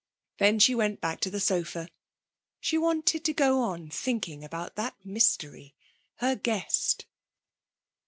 Then she went back to the sofa. She wanted to go on thinking about that mystery, her guest.